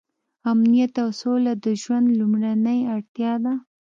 امنیت او سوله د ژوند لومړنۍ اړتیا ده.